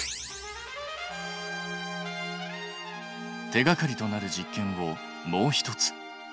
手がかりとなる実験をもう１つ。